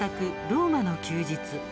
「ローマの休日」。